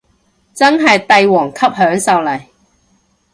真係帝王級享受嚟